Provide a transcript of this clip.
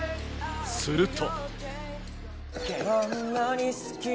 すると。